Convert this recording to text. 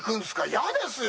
嫌ですよ。